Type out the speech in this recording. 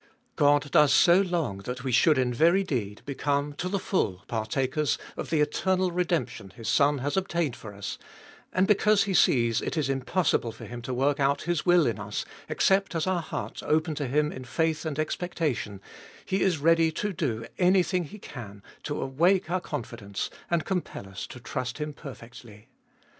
God does so long that we should in very deed become to the full partakers of the eternal redemption His Son has obtained for us, and because He sees it is impossible for Him to work out His will in us except as our hearts open to Him in faith and expectation, He is ready to do anything He can, to awake our confidence and compel us to trust Him perfectly.